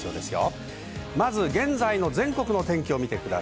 現在の全国の天気です。